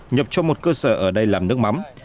nhập cho một cơ sở ở đây làm nước mắm